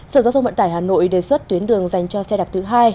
sở giao thông vận tải hà nội đề xuất tuyến đường dành cho xe đạp thứ hai